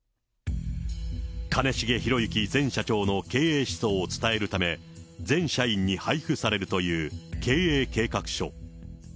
兼重宏行前社長の経営思想を伝えるため、全社員に配布されるという経営計画書。